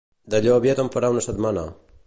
D'allò aviat en farà una setmana.